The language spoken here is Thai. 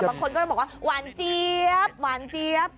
แต่บางคนก็จะบอกว่าวานเจี๊ยบ